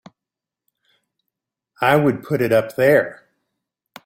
I would put it up there!